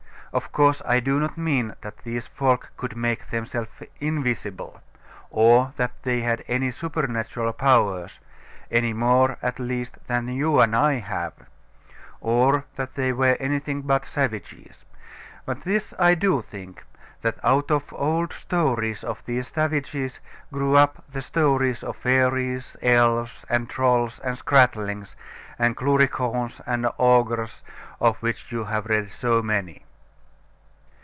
Of course, I do not mean that these folk could make themselves invisible, or that they had any supernatural powers any more, at least, than you and I have or that they were anything but savages; but this I do think, that out of old stories of these savages grew up the stories of fairies, elves, and trolls, and scratlings, and cluricaunes, and ogres, of which you have read so many.